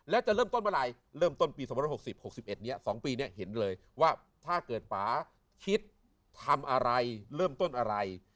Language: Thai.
แล้วจะเริ่มต้นเมื่อไหร่เริ่มต้นปี๒๖๐๖๑นี้๒ปีนี้เห็นเลยว่าถ้าเกิดป่าคิดทำอะไรเริ่มต้นอะไร